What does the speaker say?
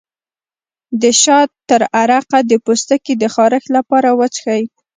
د شاه تره عرق د پوستکي د خارښ لپاره وڅښئ